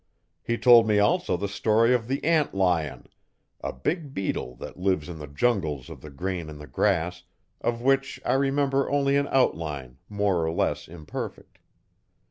He told me also the story of the ant lion a big beetle that lives in the jungles of the grain and the grass of which I remember only an outline, more or less imperfect.